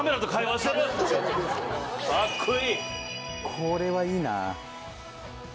これはいいな。